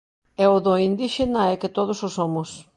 E o do indíxena é que todos o somos.